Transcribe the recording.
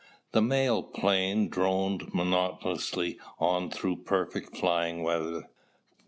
The mail plane droned monotonously on through perfect flying weather.